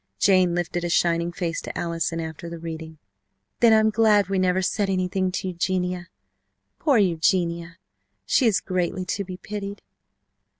Jane lifted a shining face to Allison after the reading. "Then I'm glad we never said anything to Eugenia! Poor Eugenia! She is greatly to be pitied!"